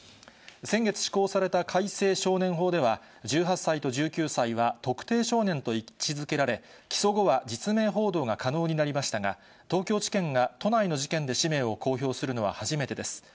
先月施行された改正少年法では、１８歳と１９歳は特定少年と位置づけられ、起訴後は実名報道が可能になりましたが、東京地検が都内の事件で氏名を公表するのは初めてです。